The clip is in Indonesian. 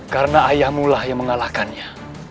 karena ayahmulah yang mengalahkannya